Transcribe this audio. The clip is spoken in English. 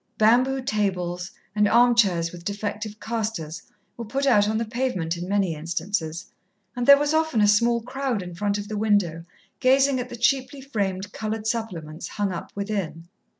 Bamboo tables, and armchairs with defective castors, were put out on the pavement in many instances, and there was often a small crowd in front of the window gazing at the cheaply framed coloured supplements hung up within.